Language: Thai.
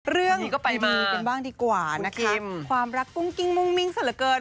เรื่องดีเป็นบ้างดีกว่านะคะความรักกุ้งกิ้งมุ่งมิ้งสันเกิน